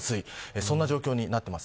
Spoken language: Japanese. そんな状況になっています。